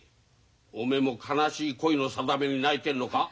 おめえも悲しい恋の定めに泣いてんのか？